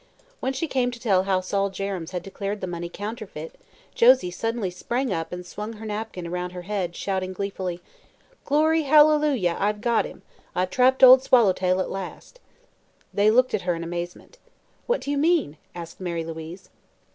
When she came to tell how Sol Jerrems had declared the money counterfeit, Josie suddenly sprang up and swung her napkin around her head, shouting gleefully: "Glory hallelujah! I've got him. I've trapped Old Swallowtail at last." They looked at her in amazement. "What do you mean?" asked Mary Louise.